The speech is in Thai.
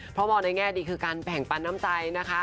เพราะมองในแง่ดีคือการแบ่งปันน้ำใจนะคะ